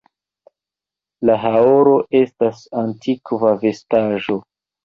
La haoro estas antikva vestaĵo.